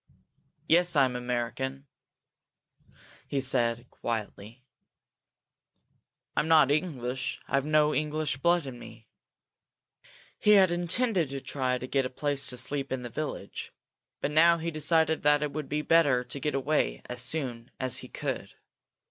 "Yes, I'm an American," he said, quietly. "I'm not English. I've no English blood in me." He had intended to try to get a place to sleep in the village, but now he decided that it would be better to get away as soon as he could.